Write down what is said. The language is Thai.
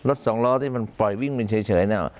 รถสองล้อที่มันปล่อยวิ่งไปเฉยเฉยน่ะค่ะ